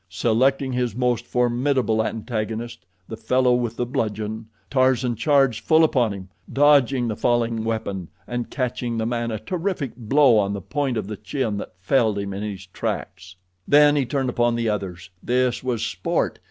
Selecting his most formidable antagonist, the fellow with the bludgeon, Tarzan charged full upon him, dodging the falling weapon, and catching the man a terrific blow on the point of the chin that felled him in his tracks. Then he turned upon the others. This was sport.